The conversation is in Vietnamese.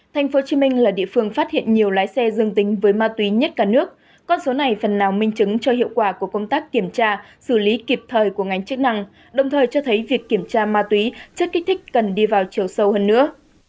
tp hcm là địa phương phát hiện nhiều lái xe dương tính với ma túy nhất cả nước con số này phần nào minh chứng cho hiệu quả của công tác kiểm tra xử lý kịp thời của ngành chức năng đồng thời cho thấy việc kiểm tra ma túy chất kích thích cần đi vào chiều sâu hơn nữa